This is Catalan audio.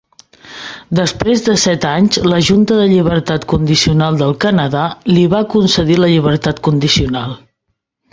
Després de set anys, la Junta de Llibertat Condicional del Canadà li va concedir la llibertat condicional.